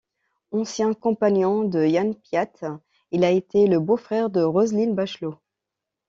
Ancien compagnon de Yann Piat, il a été le beau-frère de Roselyne Bachelot.